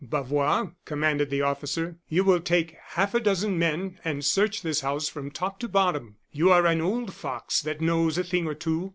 "Bavois," commanded the officer, "you will take half a dozen men and search this house from top to bottom. You are an old fox that knows a thing or two.